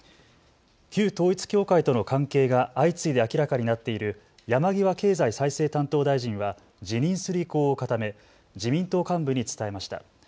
旧統一教会との関係が相次いで明らかになっている山際経済再生担当大臣は辞任する意向を固め自民党幹部に伝えました。